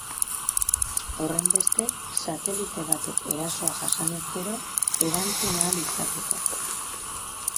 Horrenbestez, satelite batek erasoa jasanez gero, erantzun ahal izateko.